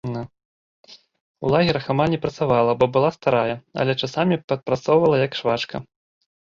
У лагерах амаль не працавала, бо была старая, але часамі падпрацоўвала як швачка.